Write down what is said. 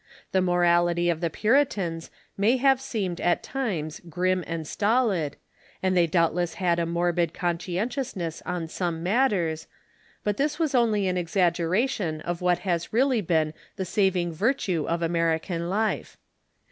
The morality of the Puritans may have seemed at times grim and stolid, and they doubtless had a morbid conscien tiousness on some matters, but this was only an exaggeration of what has really been the saving virtue of American life.